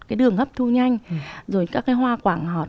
cái đường hấp thu nhanh